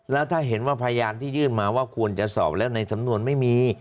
แล้วถ้าเห็นว่าพยานที่ยื่นมาว่าควรจะสอบแล้วในสำนวนไม่มี